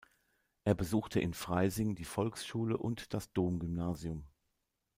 Er besuchte in Freising die Volksschule und das Dom-Gymnasium.